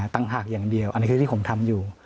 ต่างหากอย่างเดียวอันนี้คือที่ผมทำอยู่